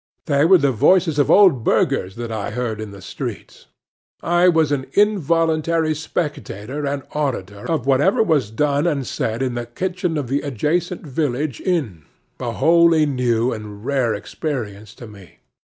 They were the voices of old burghers that I heard in the streets. I was an involuntary spectator and auditor of whatever was done and said in the kitchen of the adjacent village inn—a wholly new and rare experience to me.